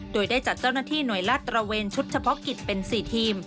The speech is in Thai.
โดยได้จัดเจ้าหน้าที่หน่วยลาดตระเวนชุดเฉพาะกิจเป็น๔ทีม